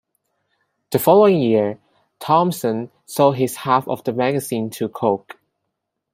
The following year, Thomson sold his half of the magazine to Cooke.